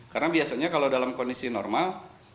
karena biasanya kalau dalam kondisi normal